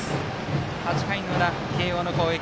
８回の裏、慶応の攻撃。